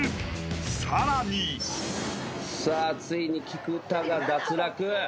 ［さらに］さあついに菊田が脱落。